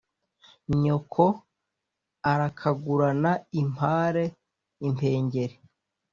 nyoko arakagurana impare impengeri